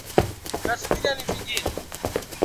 ikitarajia kuwa rais wa umoja huo